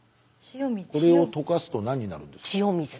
これを溶かすと何になるんですか？